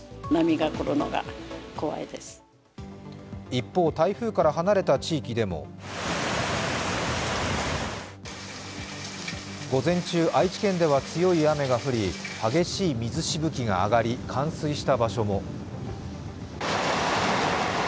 一方台風から離れた地域でも午前中、愛知県では強い雨が降り激しい水しぶきがあがり冠水した場所も。